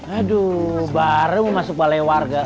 aduh baru masuk balai warga